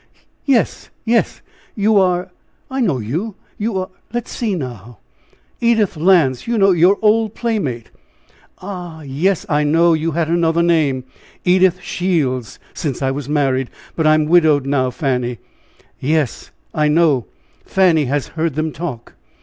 "Yes, yes, you are I know you you are let's see, now " "Edith Lance, you know your old playmate!" "Ah! yes, I know you had another name." "Edith Shields, since I was married, but I am widowed now, Fanny." "Yes, I know Fanny has heard them talk!"